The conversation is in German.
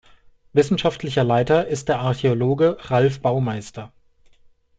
Wissenschaftlicher Leiter ist der Archäologe Ralf Baumeister.